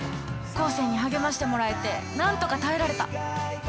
生に励ましてもらえてなんとか耐えられた。